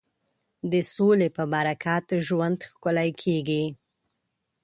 د سولې په برکت ژوند ښکلی کېږي.